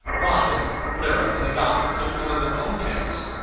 Rondon, Lyra, and the doctor took one of their own tents.